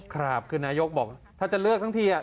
ครับคือนายกรัฐมนตรีบอกถ้าจะเลือกทั้งที